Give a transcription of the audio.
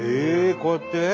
こうやって。